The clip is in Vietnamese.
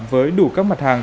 với đủ các mặt hàng